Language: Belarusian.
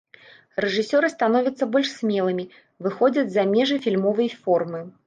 Рэжысёры становяцца больш смелымі, выходзяць за межы фільмовай формы.